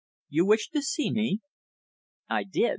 You wished to see me?" "I did.